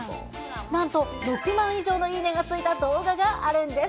なんと６万以上のいいねがついた動画があるんです。